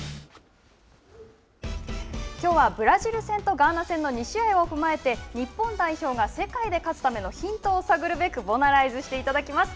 きょうはブラジル戦とガーナ戦の２試合を踏まえて日本代表が世界で勝つためのヒントを探るべくボナライズしていただきます。